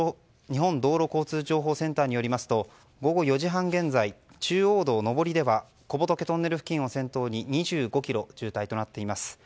日本道路交通情報センターによりますと午後４時半現在、中央道上りでは小仏トンネル付近を先頭に２５ｋｍ渋滞となっています。